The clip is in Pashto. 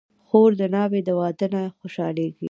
خور د ناوې د واده نه خوشحالېږي.